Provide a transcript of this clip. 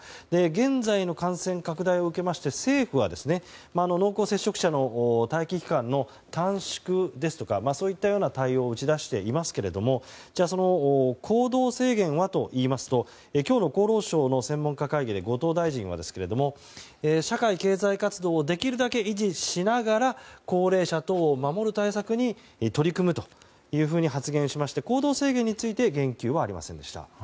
現在の感染拡大を受けまして政府は濃厚接触者の待機期間の短縮ですとかそういった対応を打ち出していますけれどもじゃあ、行動制限はといいますと今日の厚労省の専門家会議で後藤大臣は社会経済活動をできるだけ維持しながら高齢者等を守る対策に取り組むというふうに発言しまして行動制限について言及はありませんでした。